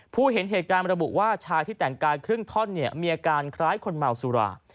เห็นเหตุการณ์ระบุว่าชายที่แต่งกายครึ่งท่อนเนี่ยมีอาการคล้ายคนเมาสุรา